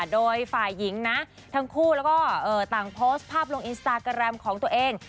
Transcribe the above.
โดยฝ่ายหญิงนะทั้งคู่แล้วก็ต่างโพสต์ภาพลงอินสตาแกรมของตัวเอง